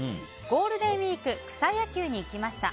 ゴールデンウィーク草野球に行きました。